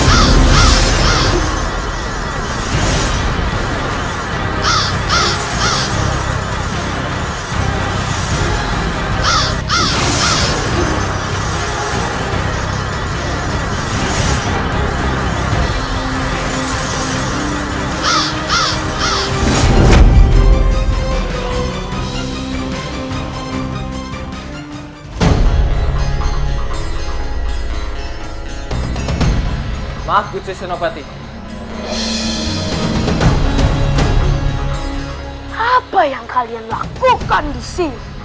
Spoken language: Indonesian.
apa yang kalian lakukan di sini